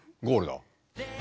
ゴールが。